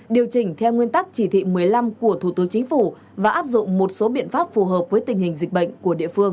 điều chỉnh theo nguyên tắc chỉ thị một mươi năm của thủ tướng chính phủ và áp dụng một số biện pháp phù hợp với tình hình dịch bệnh của địa phương